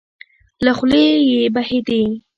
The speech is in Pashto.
له خولې يې وبهېدې.